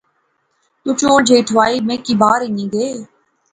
تو چول جئے ٹھوائی میں کی بہار ہنی گئے